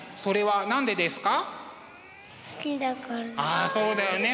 ああそうだよね